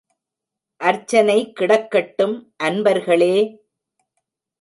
அர்ச்சனை கிடக்கட்டும் அன்பர்களே!